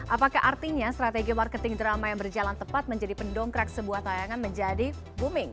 apakah artinya strategi marketing drama yang berjalan tepat menjadi pendongkrak sebuah tayangan menjadi booming